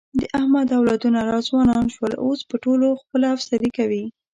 د احمد اولادونه را ځوانان شول، اوس په ټولو خپله افسري کوي.